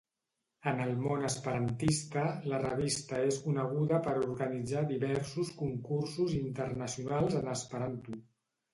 En el món esperantista, la revista és coneguda per organitzar diversos concursos internacionals en esperanto.